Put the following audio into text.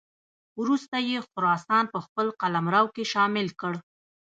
وروسته یې خراسان په خپل قلمرو کې شامل کړ.